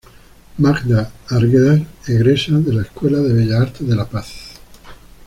Magda Arguedas egresa de la Escuela de bellas Artes de La Paz.